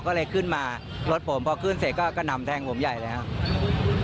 ก็เลยขึ้นมารถผมพอขึ้นเสร็จก็กระหน่ำแทงผมใหญ่เลยครับ